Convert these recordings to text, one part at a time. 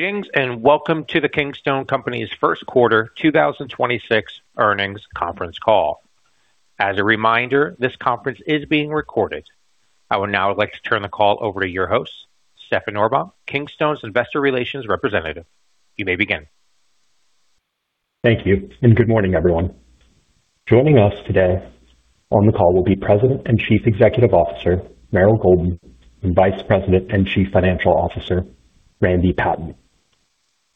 Greetings, welcome to the Kingstone Companies' first quarter 2026 earnings conference call. As a reminder, this conference is being recorded. I would now like to turn the call over to your host, Stefan Norbom, Kingstone Companies' Investor Relations Representative. You may begin. Thank you. Good morning, everyone. Joining us today on the call will be President and Chief Executive Officer, Meryl Golden, and Vice President and Chief Financial Officer, Randy Patten.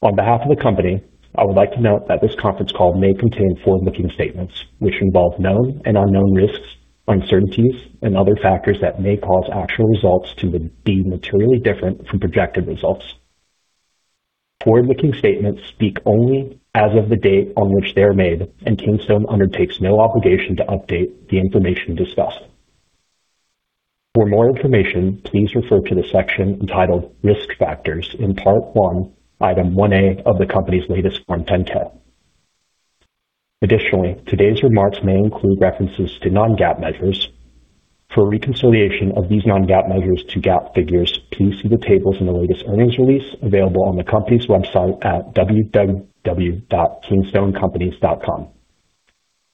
On behalf of the company, I would like to note that this conference call may contain forward-looking statements, which involve known and unknown risks, uncertainties and other factors that may cause actual results to be materially different from projected results. Forward-looking statements speak only as of the date on which they are made, and Kingstone undertakes no obligation to update the information discussed. For more information, please refer to the section entitled Risk Factors in part one, Item 1A of the company's latest Form 10-K. Additionally, today's remarks may include references to non-GAAP measures. For a reconciliation of these non-GAAP measures to GAAP figures, please see the tables in the latest earnings release available on the company's website at www.kingstonecompanies.com.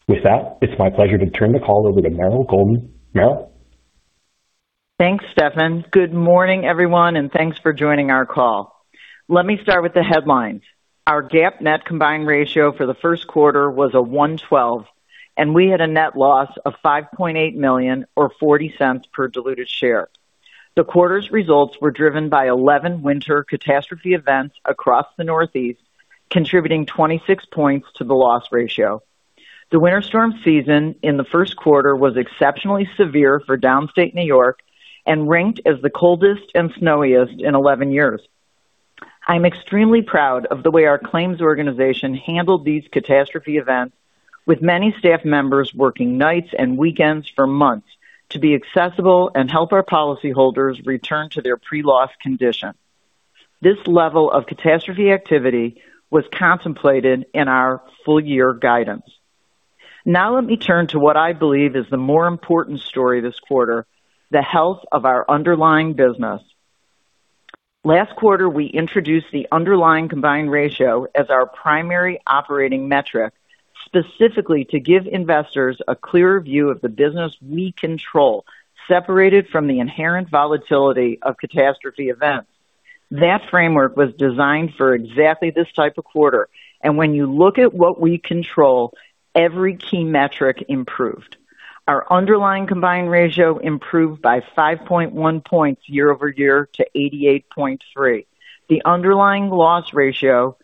With that, it's my pleasure to turn the call over to Meryl Golden. Meryl. Thanks, Stefan. Good morning, everyone, thanks for joining our call. Let me start with the headlines. Our GAAP net combined ratio for the first quarter was 112. We had a net loss of $5.8 million or $0.40 per diluted share. The quarter's results were driven by 11 winter catastrophe events across the Northeast, contributing 26 points to the loss ratio. The winter storm season in the first quarter was exceptionally severe for downstate N.Y. and ranked as the coldest and snowiest in 11 years. I'm extremely proud of the way our claims organization handled these catastrophe events, with many staff members working nights and weekends for months to be accessible and help our policyholders return to their pre-loss condition. This level of catastrophe activity was contemplated in our full year guidance. Now let me turn to what I believe is the more important story this quarter, the health of our underlying business. Last quarter, we introduced the underlying combined ratio as our primary operating metric, specifically to give investors a clearer view of the business we control, separated from the inherent volatility of catastrophe events. That framework was designed for exactly this type of quarter, and when you look at what we control, every key metric improved. Our underlying combined ratio improved by 5.1 points year-over-year to 88.3. The underlying loss ratio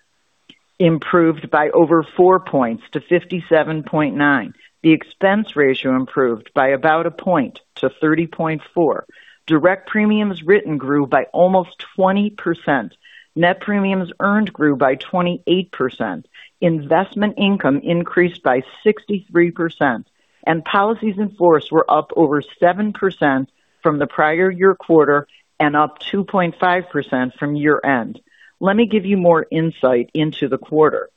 improved by over four points to 57.9. The expense ratio improved by about one point to 30.4. Direct premiums written grew by almost 20%. Net premiums earned grew by 28%. Investment income increased by 63%, and policies in force were up over 7% from the prior year quarter and up 2.5% from year end. Let me give you more insight into the quarter.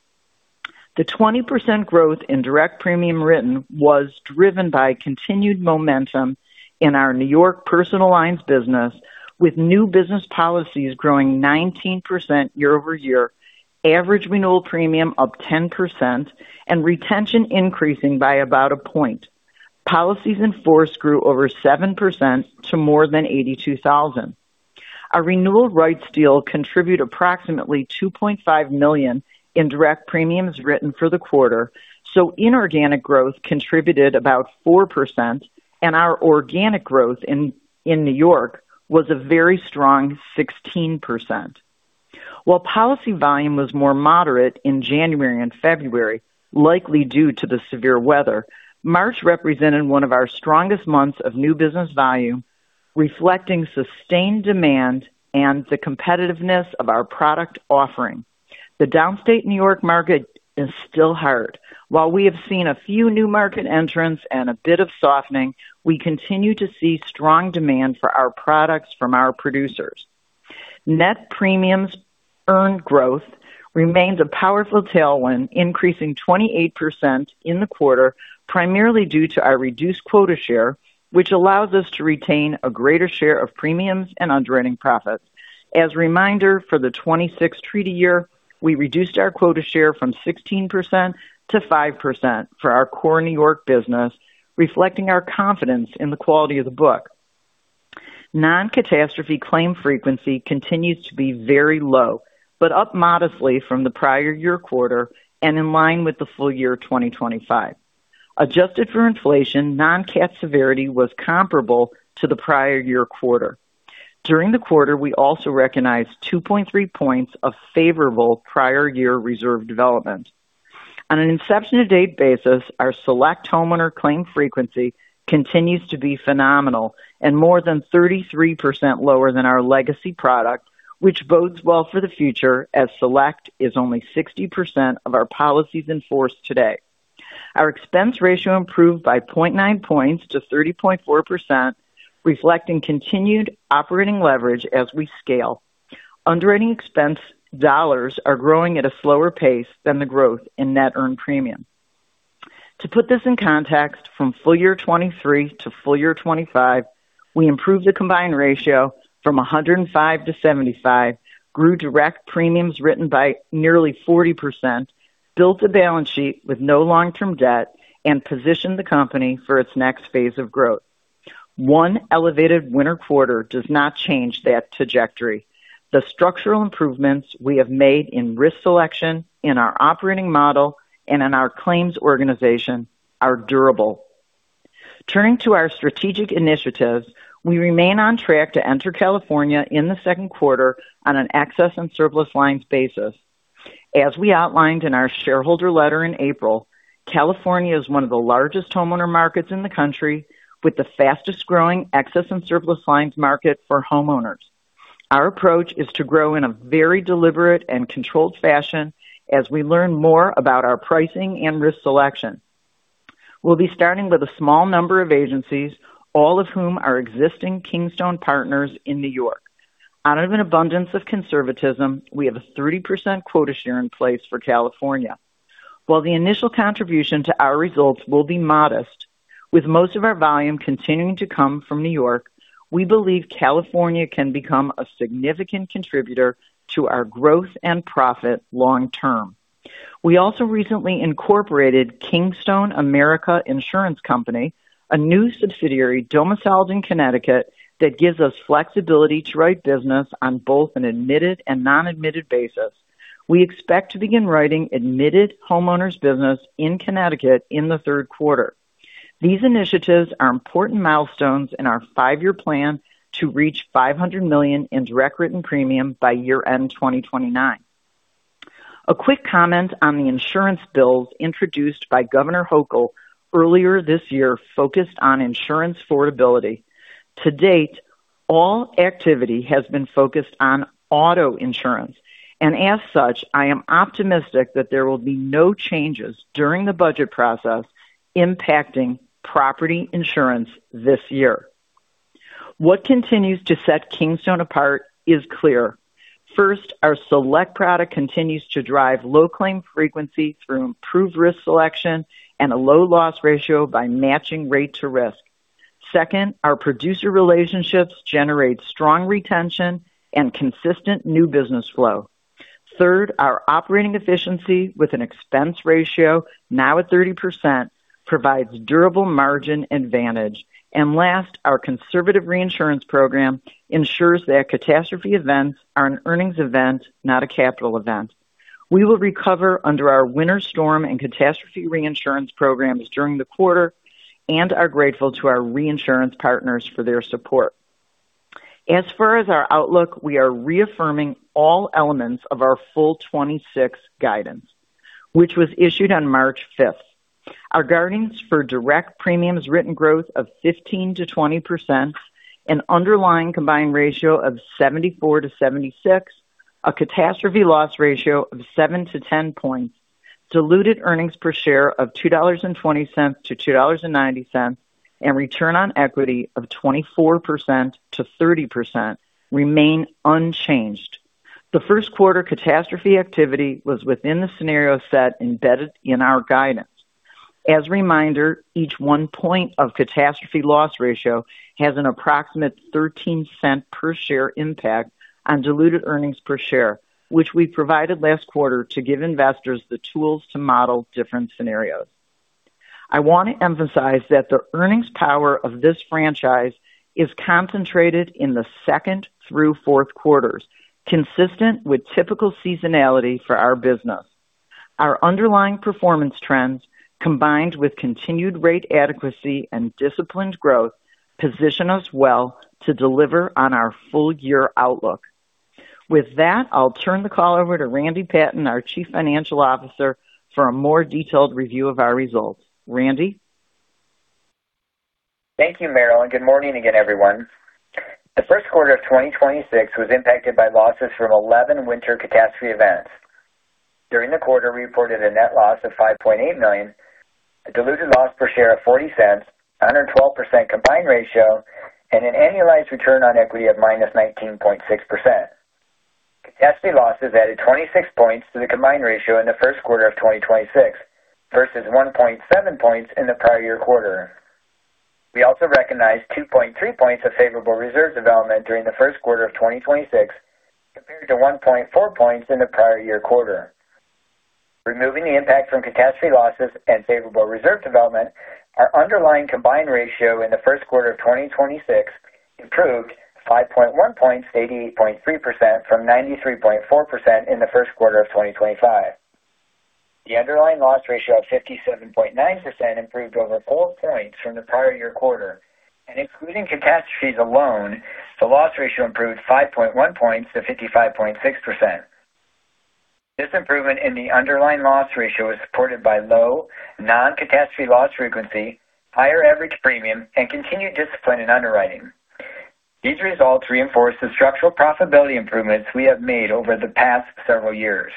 The 20% growth in direct premium written was driven by continued momentum in our New York personal lines business, with new business policies growing 19% year-over-year, average renewal premium up 10% and retention increasing by about a point. Policies in force grew over 7% to more than 82,000. Our renewal rights deal contribute approximately $2.5 million in direct premiums written for the quarter, so inorganic growth contributed about 4% and our organic growth in New York was a very strong 16%. While policy volume was more moderate in January and February, likely due to the severe weather, March represented one of our strongest months of new business volume, reflecting sustained demand and the competitiveness of our product offering. The downstate New York market is still hard. While we have seen a few new market entrants and a bit of softening, we continue to see strong demand for our products from our producers. Net premiums earned growth remains a powerful tailwind, increasing 28% in the quarter, primarily due to our reduced quota share, which allows us to retain a greater share of premiums and underwriting profits. As a reminder, for the 2026 treaty year, we reduced our quota share from 16% to 5% for our core New York business, reflecting our confidence in the quality of the book. Non-catastrophe claim frequency continues to be very low, but up modestly from the prior year quarter and in line with the full year 2025. Adjusted for inflation, non-cat severity was comparable to the prior year quarter. During the quarter, we also recognized 2.3 points of favorable prior year reserve development. On an inception to date basis, our Select homeowner claim frequency continues to be phenomenal and more than 33% lower than our legacy product, which bodes well for the future as Select is only 60% of our policies in force today. Our expense ratio improved by 0.9 points to 30.4%, reflecting continued operating leverage as we scale. Underwriting expense dollars are growing at a slower pace than the growth in net earned premium. To put this in context, from full year 2023 to full year 2025, we improved the combined ratio from 105 to 75, grew direct premiums written by nearly 40%, built a balance sheet with no long-term debt, and positioned the company for its next phase of growth. One elevated winter quarter does not change that trajectory. The structural improvements we have made in risk selection, in our operating model, and in our claims organization are durable. Turning to our strategic initiatives, we remain on track to enter California in the second quarter on an excess and surplus lines basis. As we outlined in our shareholder letter in April, California is one of the largest homeowner markets in the country, with the fastest-growing excess and surplus lines market for homeowners. Our approach is to grow in a very deliberate and controlled fashion as we learn more about our pricing and risk selection. We'll be starting with a small number of agencies, all of whom are existing Kingstone partners in New York. Out of an abundance of conservatism, we have a 30% quota share in place for California. While the initial contribution to our results will be modest, with most of our volume continuing to come from New York, we believe California can become a significant contributor to our growth and profit long term. We also recently incorporated Kingstone America Insurance Company, a new subsidiary domiciled in Connecticut that gives us flexibility to write business on both an admitted and non-admitted basis. We expect to begin writing admitted homeowners business in Connecticut in the third quarter. These initiatives are important milestones in our five-year plan to reach $500 million in direct written premium by year end 2029. A quick comment on the insurance bills introduced by Governor Hochul earlier this year focused on insurance affordability. To date, all activity has been focused on auto insurance. As such, I am optimistic that there will be no changes during the budget process impacting property insurance this year. What continues to set Kingstone apart is clear. First, our Select product continues to drive low claim frequency through improved risk selection and a low loss ratio by matching rate to risk. Second, our producer relationships generate strong retention and consistent new business flow. Third, our operating efficiency with an expense ratio now at 30% provides durable margin advantage. Last, our conservative reinsurance program ensures that catastrophe events are an earnings event, not a capital event. We will recover under our winter storm and catastrophe reinsurance programs during the quarter and are grateful to our reinsurance partners for their support. As far as our outlook, we are reaffirming all elements of our full 2026 guidance, which was issued on March 5th. Our guidance for direct premiums written growth of 15%-20%, an underlying combined ratio of 74%-76%, a catastrophe loss ratio of seven to 10 points, diluted earnings per share of $2.20-$2.90, and return on equity of 24%-30% remain unchanged. The first quarter catastrophe activity was within the scenario set embedded in our guidance. As a reminder, each one point of catastrophe loss ratio has an approximate $0.13 per share impact on diluted earnings per share, which we provided last quarter to give investors the tools to model different scenarios. I want to emphasize that the earnings power of this franchise is concentrated in the second through fourth quarters, consistent with typical seasonality for our business. Our underlying performance trends, combined with continued rate adequacy and disciplined growth, position us well to deliver on our full year outlook. With that, I'll turn the call over to Randy Patten, our Chief Financial Officer, for a more detailed review of our results. Randy? Thank you, Meryl. Good morning again, everyone. The first quarter of 2026 was impacted by losses from 11 winter catastrophe events. During the quarter, we reported a net loss of $5.8 million, a diluted loss per share of $0.40, a 112% combined ratio, and an annualized return on equity of -19.6%. Catastrophe losses added 26 points to the combined ratio in the first quarter of 2026 versus 1.7 points in the prior year quarter. We also recognized 2.3 points of favorable reserve development during the first quarter of 2026, compared to 1.4 points in the prior year quarter. Removing the impact from catastrophe losses and favorable reserve development, our underlying combined ratio in the first quarter of 2026 improved 5.1 points to 88.3% from 93.4% in the first quarter of 2025. The underlying loss ratio of 57.9% improved over four points from the prior year quarter. Including catastrophes alone, the loss ratio improved 5.1 points to 55.6%. This improvement in the underlying loss ratio is supported by low non-catastrophe loss frequency, higher average premium, and continued discipline in underwriting. These results reinforce the structural profitability improvements we have made over the past several years.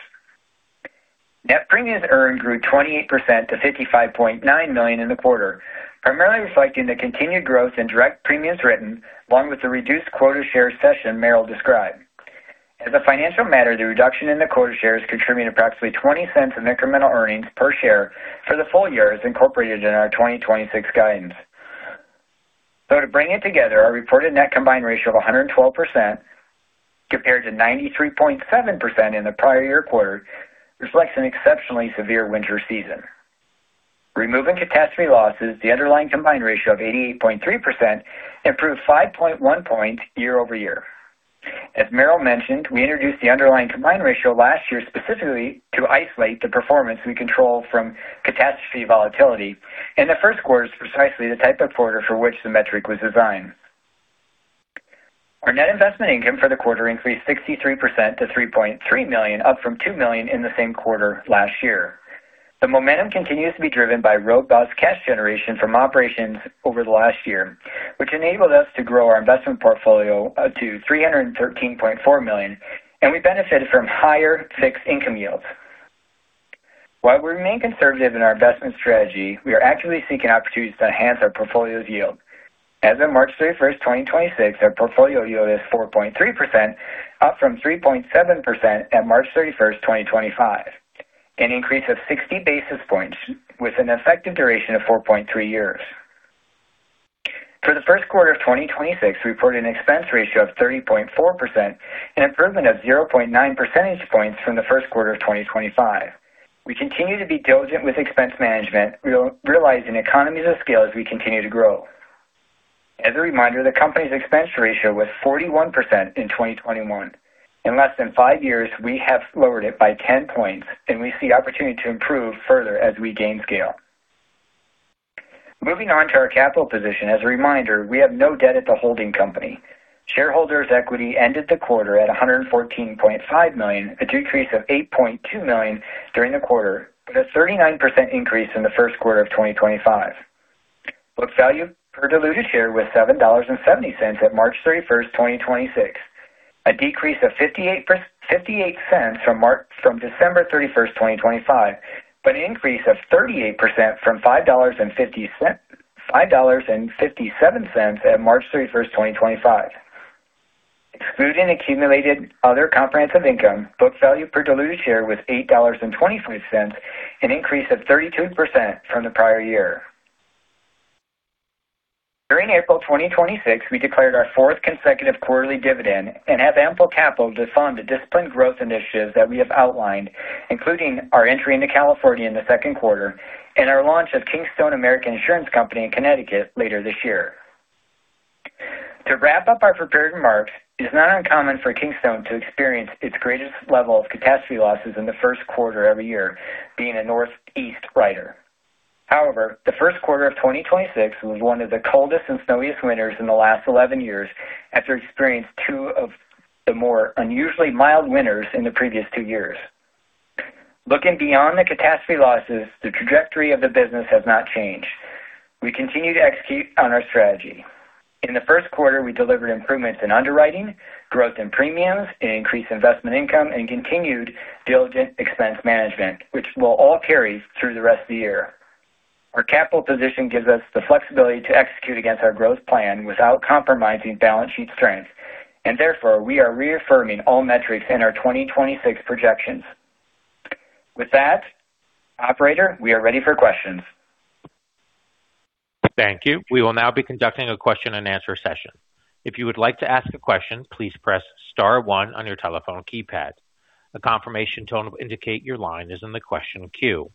Net premiums earned grew 28% to $55.9 million in the quarter, primarily reflecting the continued growth in direct premiums written, along with the reduced quota share cession Meryl described. As a financial matter, the reduction in the quota shares contributed approximately $0.20 of incremental earnings per share for the full year is incorporated in our 2026 guidance. To bring it together, our reported net combined ratio of 112% compared to 93.7% in the prior year quarter reflects an exceptionally severe winter season. Removing catastrophe losses, the underlying combined ratio of 88.3% improved 5.1 points year-over-year. As Meryl mentioned, we introduced the underlying combined ratio last year specifically to isolate the performance we control from catastrophe volatility. The first quarter is precisely the type of quarter for which the metric was designed. Our net investment income for the quarter increased 63% to $3.3 million, up from $2 million in the same quarter last year. The momentum continues to be driven by robust cash generation from operations over the last year, which enabled us to grow our investment portfolio to $313.4 million, we benefited from higher fixed income yields. While we remain conservative in our investment strategy, we are actively seeking opportunities to enhance our portfolio's yield. As of March 31st, 2026, our portfolio yield is 4.3%, up from 3.7% at March 31, 2025, an increase of 60 basis points with an effective duration of 4.3 years. For the first quarter of 2026, we reported an expense ratio of 30.4%, an improvement of 0.9 percentage points from the first quarter of 2025. We continue to be diligent with expense management, realizing economies of scale as we continue to grow. As a reminder, the company's expense ratio was 41% in 2021. In less than five years, we have lowered it by 10 points, we see opportunity to improve further as we gain scale. Moving on to our capital position, as a reminder, we have no debt at the holding company. Shareholders' equity ended the quarter at $114.5 million, a decrease of $8.2 million during the quarter, a 39% increase in the first quarter of 2025. Book value per diluted share was $7.70 at March 31st, 2026, a decrease of $0.58 from December 31, 2025, but an increase of 38% from $5.57 at March 31, 2025. Excluding accumulated other comprehensive income, book value per diluted share was $8.23, an increase of 32% from the prior year. During April 2026, we declared our fourth consecutive quarterly dividend and have ample capital to fund the disciplined growth initiatives that we have outlined, including our entry into California in the second quarter and our launch of Kingstone America Insurance Company in Connecticut later this year. To wrap up our prepared remarks, it is not uncommon for Kingstone to experience its greatest level of catastrophe losses in the first quarter every year being a Northeast writer. The first quarter of 2026 was one of the coldest and snowiest winters in the last 11 years after experiencing two of the more unusually mild winters in the previous two years. Looking beyond the catastrophe losses, the trajectory of the business has not changed. We continue to execute on our strategy. In the first quarter, we delivered improvements in underwriting, growth in premiums, an increased investment income, and continued diligent expense management, which will all carry through the rest of the year. Our capital position gives us the flexibility to execute against our growth plan without compromising balance sheet strength, and therefore we are reaffirming all metrics in our 2026 projections. With that, operator, we are ready for questions. Thank you. We will now be conducting a question-and-answer session. If you would like to ask a question, please press star one on your telephone keypad. A confirmation tone will indicate your line is in the question queue.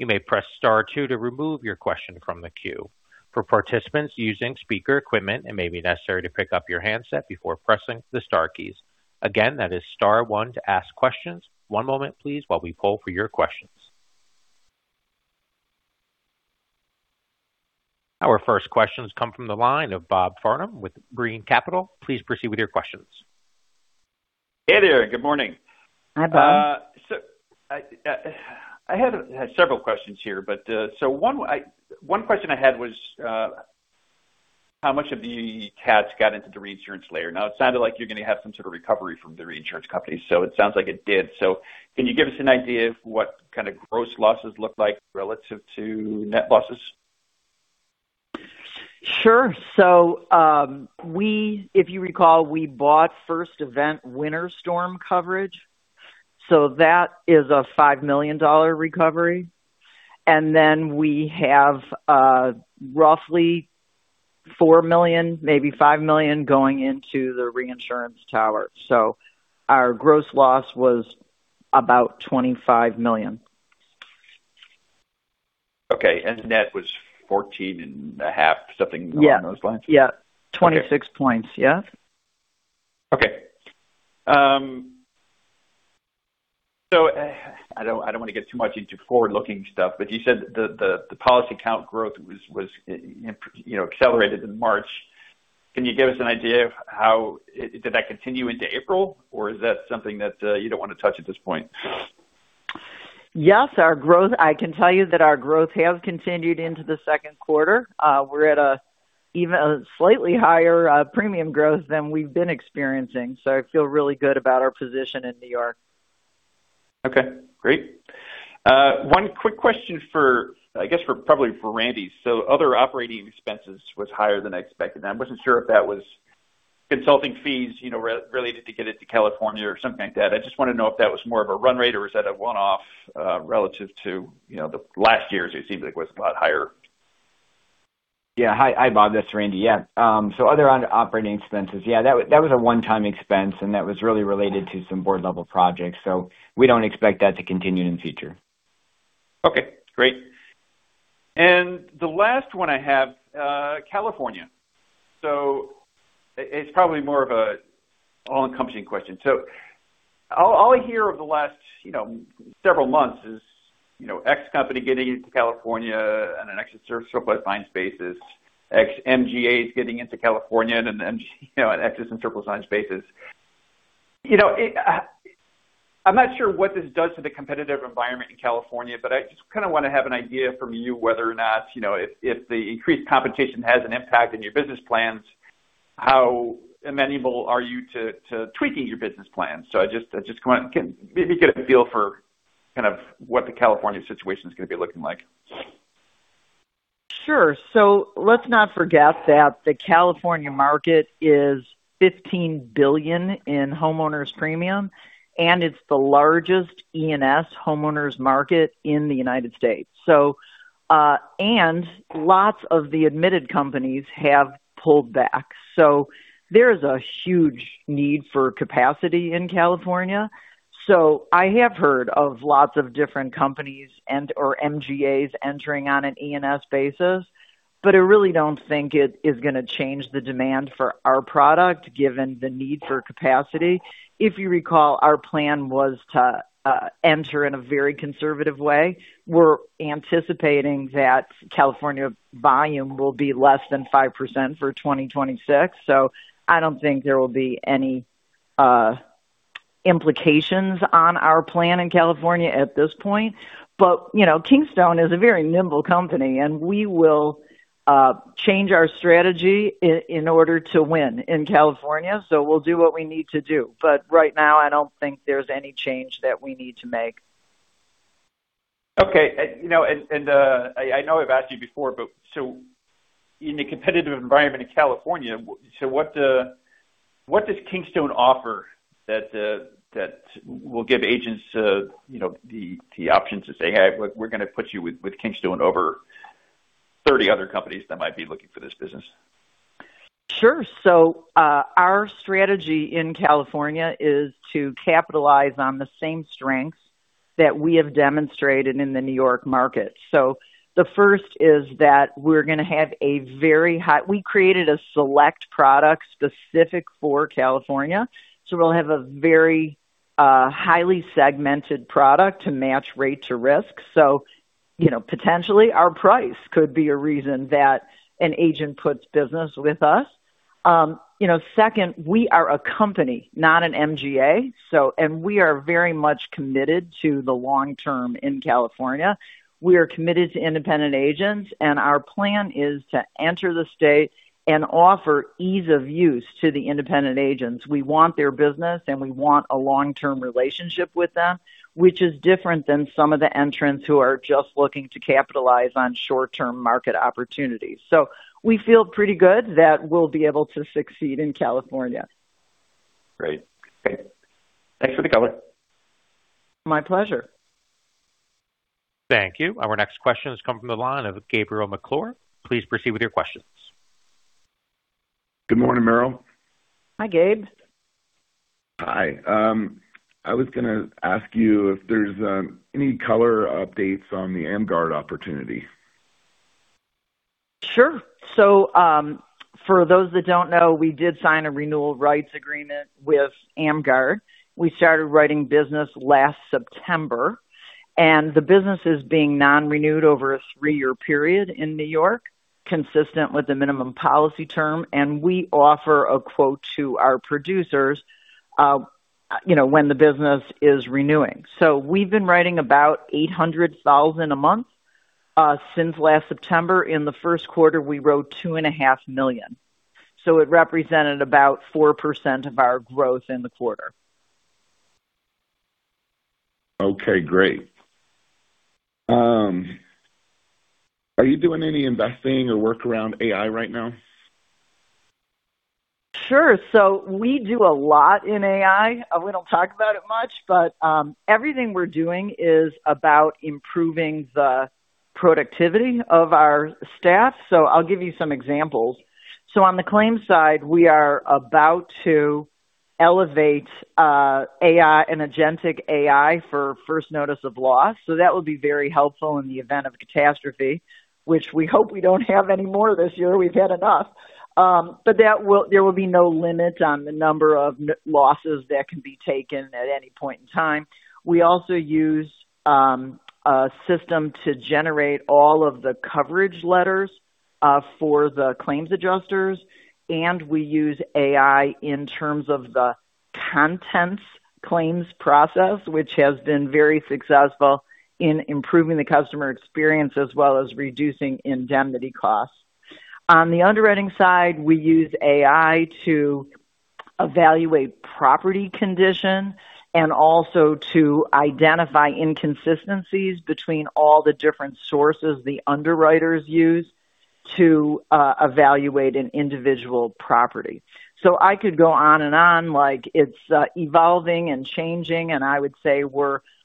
You may press star two to remove your question from the queue. For participants using speaker equipment, it may be necessary to pick up your handset before pressing the star keys. Again, that is star one to ask questions. One moment please, while we poll for your questions. Our first questions come from the line of Bob Farnam with Brean Capital. Please proceed with your questions. Hey there. Good morning. Hi, Bob. I had several questions here. One question I had was, how much of the cats got into the reinsurance layer. It sounded like you're gonna have some sort of recovery from the reinsurance company, so it sounds like it did. Can you give us an idea of what kind of gross losses look like relative to net losses? Sure. If you recall, we bought first event winter storm coverage, so that is a $5 million recovery. We have, roughly $4 million, maybe $5 million going into the reinsurance tower. Our gross loss was about $25 million. Okay. net was $14.5, and something along those lines? Yeah. 26 points. Yeah. Okay. I don't want to get too much into forward-looking stuff, but you said the policy count growth was, you know, accelerated in March. Can you give us an idea of how did that continue into April, or is that something that you don't want to touch at this point? Yes, I can tell you that our growth has continued into the second quarter. We're at a even a slightly higher premium growth than we've been experiencing. I feel really good about our position in New York. Okay, great. One quick question for, I guess, for probably for Randy. Other operating expenses was higher than I expected, and I wasn't sure if that was consulting fees, you know, re-related to get into California or something like that. I just want to know if that was more of a run rate or is that a one-off, relative to, you know, the last year's, it seems like it was a lot higher? Hi, Bob. This is Randy. Other operating expenses. That was a one-time expense, and that was really related to some board-level projects, so we don't expect that to continue in future. Okay, great. The last one I have, California. It, it's probably more of a all-encompassing question. All, all I hear over the last, you know, several months is, you know, X company getting into California on an excess and surplus lines basis. X MGAs getting into California, and then, G, you know, excess and surplus lines spaces. You know, it, I'm not sure what this does to the competitive environment in California, but I just kind of want to have an idea from you whether or not, you know, if the increased competition has an impact on your business plans, how amenable are you to tweaking your business plans? I just, I just want to get, maybe get a feel for kind of what the California situation is going to be looking like. Sure. Let's not forget that the California market is $15 billion in homeowners premium, and it's the largest E&S homeowners market in the U.S. And lots of the admitted companies have pulled back. There is a huge need for capacity in California. I have heard of lots of different companies and/or MGAs entering on an E&S basis. I really don't think it is gonna change the demand for our product, given the need for capacity. If you recall, our plan was to enter in a very conservative way. We're anticipating that California volume will be less than 5% for 2026, so I don't think there will be any implications on our plan in California at this point. You know, Kingstone is a very nimble company, and we will change our strategy in order to win in California, so we'll do what we need to do. Right now, I don't think there's any change that we need to make. Okay. you know, I know I've asked you before, in the competitive environment in California, what does Kingstone offer that will give agents, you know, the option to say, "Hey, look, we're gonna put you with Kingstone over 30 other companies that might be looking for this business"? Sure. Our strategy in California is to capitalize on the same strengths that we have demonstrated in the New York market. The first is that we created a Select product specific for California, so we'll have a very highly segmented product to match rate to risk. You know, potentially our price could be a reason that an agent puts business with us. You know, second, we are a company, not an MGA, so and we are very much committed to the long term in California. We are committed to independent agents, and our plan is to enter the state and offer ease of use to the independent agents. We want their business, and we want a long-term relationship with them, which is different than some of the entrants who are just looking to capitalize on short-term market opportunities. We feel pretty good that we'll be able to succeed in California. Great. Thanks for the color. My pleasure. Thank you. Our next question has come from the line of Gabriel McClure. Please proceed with your questions. Good morning, Meryl. Hi, Gabe. Hi. I was gonna ask you if there's any color updates on the AmGUARD opportunity. Sure. For those that don't know, we did sign a renewal rights agreement with AmGUARD. We started writing business last September, and the business is being non-renewed over a three year period in N.Y., consistent with the minimum policy term. We offer a quote to our producers, you know, when the business is renewing. We've been writing about $800,000 a month since last September. In the first quarter, we wrote $2.5 million. It represented about 4% of our growth in the quarter. Okay, great. Are you doing any investing or work around AI right now? Sure. We do a lot in AI. We don't talk about it much, but everything we're doing is about improving the productivity of our staff. I'll give you some examples. On the claims side, we are about to elevate AI, an agentic AI for first notice of loss. That would be very helpful in the event of a catastrophe, which we hope we don't have any more this year. We've had enough. But there will be no limit on the number of losses that can be taken at any point in time. We also use a system to generate all of the coverage letters for the claims adjusters, and we use AI in terms of the contents claims process, which has been very successful in improving the customer experience as well as reducing indemnity costs. On the underwriting side, we use AI to evaluate property condition and also to identify inconsistencies between all the different sources the underwriters use to evaluate an individual property. I could go on and on, like it's evolving and changing, and I would say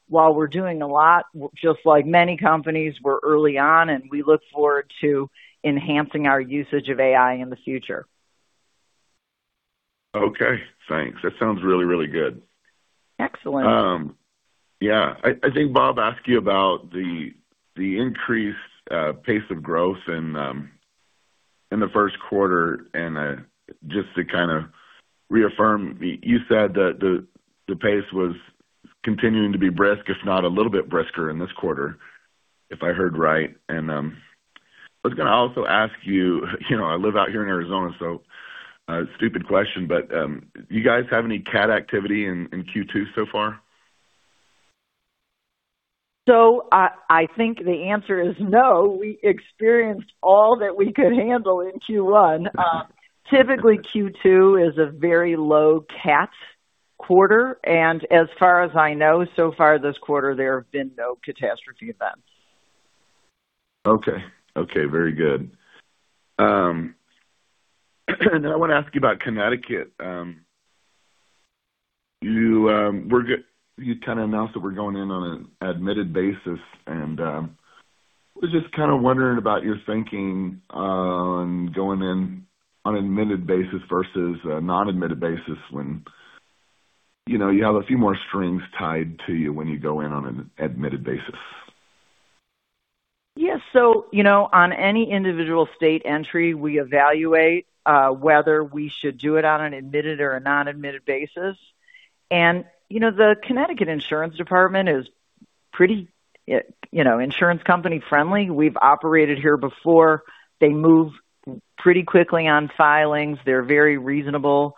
while we're doing a lot, just like many companies, we're early on, and we look forward to enhancing our usage of AI in the future. Okay. Thanks. That sounds really, really good. Excellent. Yeah. I think Bob asked you about the increased pace of growth in the first quarter, just to kind of reaffirm, you said that the pace was continuing to be brisk, if not a little bit brisker in this quarter, if I heard right. I was gonna also ask you know, I live out here in Arizona, so, stupid question, but, do you guys have any cat activity in Q2 so far? I think the answer is no. We experienced all that we could handle in Q1. Typically, Q2 is a very low cat quarter, and as far as I know, so far this quarter, there have been no catastrophe events. Okay. Okay, very good. I want to ask you about Connecticut. You kind of announced that we're going in on an admitted basis. I was just kind of wondering about your thinking on going in on admitted basis versus a non-admitted basis when, you know, you have a few more strings tied to you when you go in on an admitted basis. Yes. You know, on any individual state entry, we evaluate whether we should do it on an admitted or a non-admitted basis. You know, the Connecticut Insurance Department is pretty, you know, insurance company friendly. We've operated here before. They move pretty quickly on filings. They're very reasonable.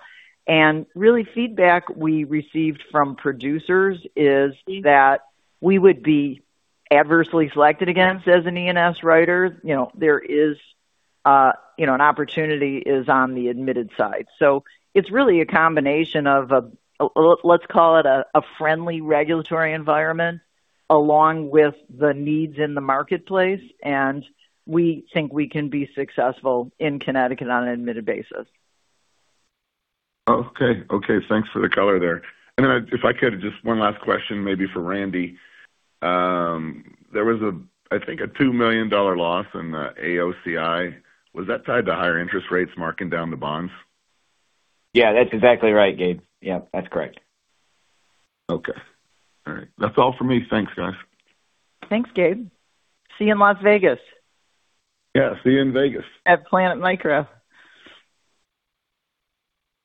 Really feedback we received from producers is that we would be adversely selected against as an E&S writer. You know, there is, you know, an opportunity is on the admitted side. It's really a combination of a friendly regulatory environment along with the needs in the marketplace, and we think we can be successful in Connecticut on an admitted basis. Okay. Okay, thanks for the color there. If I could just one last question, maybe for Randy. There was a $2 million loss in the AOCI. Was that tied to higher interest rates marking down the bonds? Yeah, that's exactly right, Gabe. Yeah, that's correct. Okay. All right. That's all for me. Thanks, guys. Thanks, Gabe. See you in Las Vegas. Yeah, see you in Vegas. At Planet MicroCap.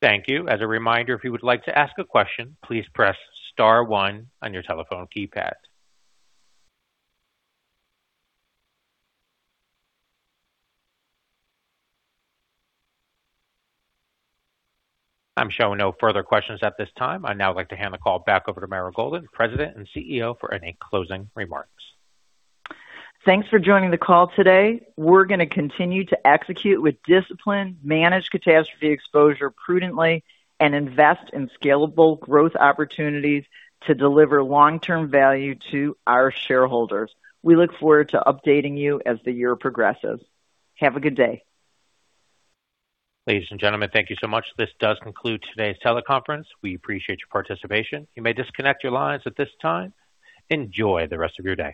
Thank you. As a reminder, if you would like to ask a question, please press star one on your telephone keypad. I'm showing no further questions at this time. I'd now like to hand the call back over to Meryl Golden, President and CEO, for any closing remarks. Thanks for joining the call today. We're gonna continue to execute with discipline, manage catastrophe exposure prudently, and invest in scalable growth opportunities to deliver long-term value to our shareholders. We look forward to updating you as the year progresses. Have a good day. Ladies and gentlemen, thank you so much. This does conclude today's teleconference. We appreciate your participation. You may disconnect your lines at this time. Enjoy the rest of your day.